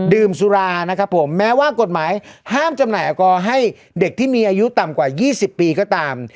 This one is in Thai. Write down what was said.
ดื่มสุรานะครับผมแม้ว่ากฎหมายห้ามจำหน่ายแอลกอฮให้เด็กที่มีอายุต่ำกว่า๒๐ปีก็ตาม